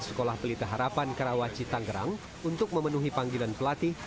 sekolah pelita harapan karawaci tanggerang untuk memenuhi panggilan pelatih